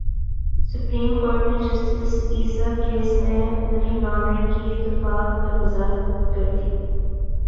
supreme court نے justice Isa case میں money laundering کی دفعات پر وضاحت کردی